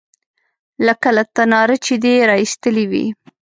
_لکه له تناره چې دې را ايستلې وي.